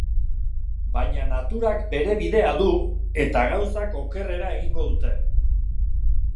Baina naturak bere bidea du eta gauzak okerrera egingo dute.